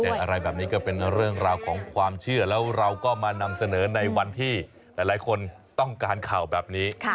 อะไรแบบนี้ก็เป็นเรื่องราวของความเชื่อแล้วเราก็มานำเสนอในวันที่หลายคนต้องการข่าวแบบนี้